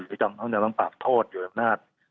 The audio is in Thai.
หรือจำต้องจะต้องปรับโทษอยู่ด้านหน้า